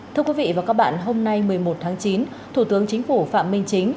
thưa quý vị và các bạn hôm nay một mươi một tháng chín thủ tướng chính phủ phạm minh chính